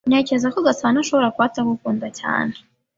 Ntekereza ko Gasana ashobora kuba atagukunda cyane.